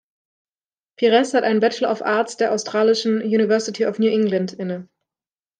Pires hat einen Bachelor of Arts der australischen University of New England inne.